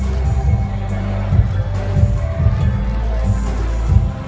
สโลแมคริปราบาล